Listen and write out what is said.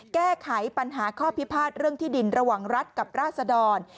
แก้ไขปัญหาข้อพิพาทเรื่องที่ดินระหว่างรัฐกับราษดร